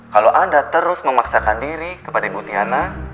kalau anda terus memaksakan diri kepada ibu tiana